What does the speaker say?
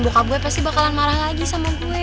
boka gue pasti bakalan marah lagi sama gue